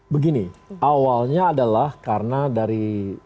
begini awalnya adalah karena dari